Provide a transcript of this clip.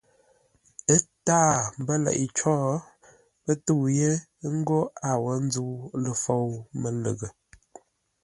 Ə́ tâa mbə́ leʼé có, pə́ tə́u yé ńgó a wó ńzə́u ləfôu mə́lə́ghʼə.